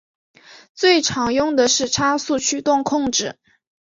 最常用的是差速驱动控制。